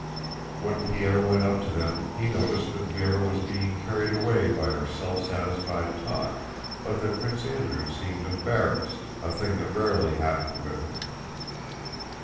When Pierre went up to them he noticed that Véra was being carried away by her self satisfied talk, but that Prince Andrew seemed embarrassed, a thing that rarely happened with him.